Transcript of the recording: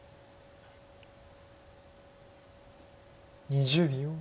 ２０秒。